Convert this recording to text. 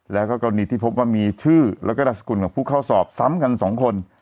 แล้วก็กรณีที่พบว่ามีชื่อแล้วก็นามสกุลของผู้เข้าสอบซ้ำกัน๒คน